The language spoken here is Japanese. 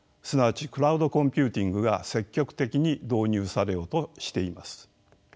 すなわちクラウドコンピューティングが積極的に導入されようとしています。